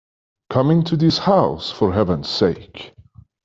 Come into this house for heaven's sake!